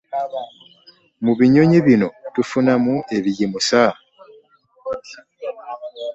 mu binnyonyi bino tufunamu ebigimusa